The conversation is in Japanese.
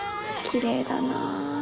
きれいだなぁ。